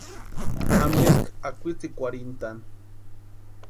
¿Ampeski akwitsikwarhintʼani?